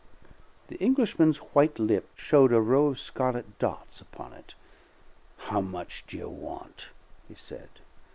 The Englishman's white lip showed a row of scarlet dots upon it. "How much do you want?" he said.